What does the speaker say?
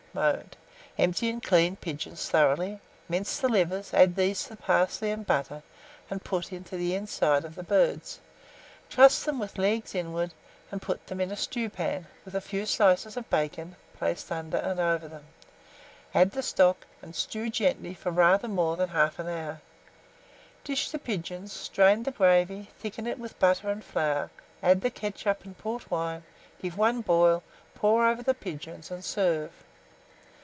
Mode. Empty and clean the pigeons thoroughly, mince the livers, add to these the parsley and butter, and put it into the insides of the birds. Truss them with the legs inward, and put them into a stewpan, with a few slices of bacon placed under and over them; add the stock, and stew gently for rather more than 1/2 hour. Dish the pigeons, strain the gravy, thicken it with butter and flour, add the ketchup and port wine, give one boil, pour over the pigeons, and serve.